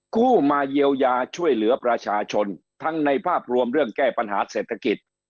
กู้มาเยียวยาช่วยเหลือประชาชนทั้งในภาพรวมเรื่องแก้ปัญหาเศรษฐกิจ